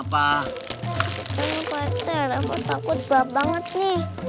apa pak teh rafa takut gelap banget nih